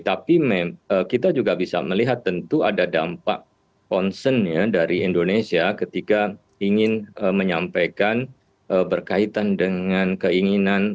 tapi kita juga bisa melihat tentu ada dampak concern ya dari indonesia ketika ingin menyampaikan berkaitan dengan keinginan